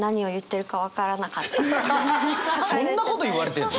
そんなこと言われてんの？